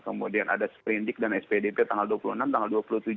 kemudian ada sprindik dan spdp tanggal dua puluh enam tanggal dua puluh tujuh